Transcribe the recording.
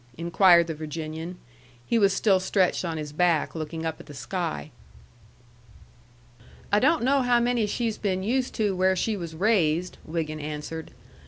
inquired the Virginian. He was still stretched on his back, looking up at the sky. "I don't know how many she's been used to where she was raised," Wiggin answered.